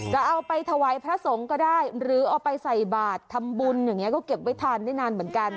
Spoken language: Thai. จะเอาไปถวายพระสงฆ์ก็ได้หรือเอาไปใส่บาททำบุญอย่างนี้ก็เก็บไว้ทานได้นานเหมือนกัน